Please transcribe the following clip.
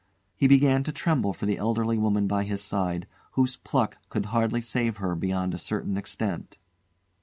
He began to tremble for the elderly woman by his side, whose pluck could hardly save her beyond a certain extent.